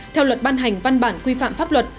theo luật ban hành văn bản quy phạm pháp luật